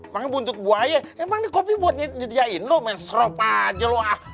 emangnya buntut buaya emangnya kopi buat nyediain lo main srop aja lo ah